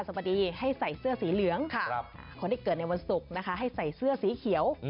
สวัสดีให้ใส่เสื้อสีเหลืองคนที่เกิดในวันศุกร์นะคะให้ใส่เสื้อสีเขียว